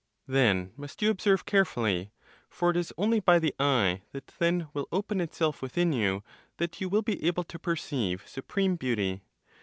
Then must you observe carefully, for it is only by the eye that then will open itself within you that you will be able to perceive supreme Beauty.